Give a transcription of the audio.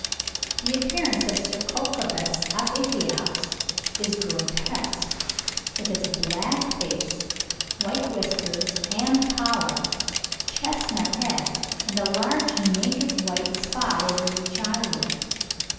The appearance of Cercocebus aethiops is grotesque, with its black face, white whiskers and collar, chestnut head, and a large naked white spot over each eyelid.